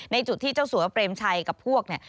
จุดที่เจ้าสัวเปรมชัยกับพวกเนี่ย